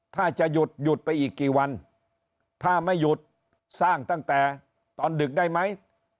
ถ้าจะหยุดหยุดไปอีกกี่วันถ้าไม่หยุดสร้างตั้งแต่ตอนดึกได้ไหม